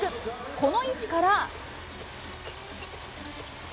この位置から。